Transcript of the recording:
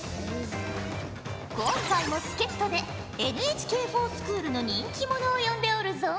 今回も助っ人でＮＨＫｆｏｒＳｃｈｏｏｌの人気者を呼んでおるぞ。